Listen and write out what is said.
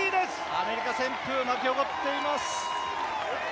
アメリカ旋風巻き起こっています！